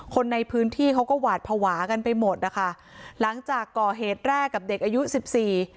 คนในพื้นที่เขาก็หวาดภาวะกันไปหมดนะคะหลังจากก่อเหตุแรกกับเด็กอายุสิบสี่